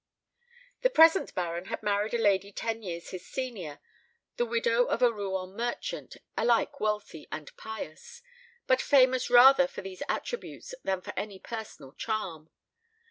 The present Baron had married a lady ten years his senior, the widow of a Rouen merchant, alike wealthy and pious, but famous rather for these attributes than for any personal charm.